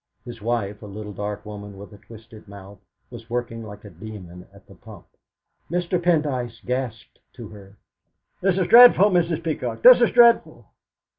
His wife, a little dark woman with a twisted mouth, was working like a demon at the pump. Mr. Pendyce gasped to her: "This is dreadful, Mrs. Peacock this is dreadful!"